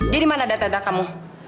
jadi mana data data kamu